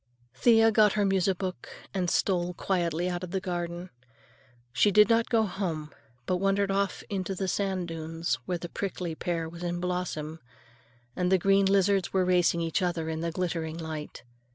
Thea got her music book and stole quietly out of the garden. She did not go home, but wandered off into the sand dunes, where the prickly pear was in blossom and the green lizards were racing each other in the glittering light.